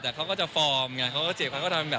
เพราะว่าคุณหน่อยเขารู้ไม่ได้อะไร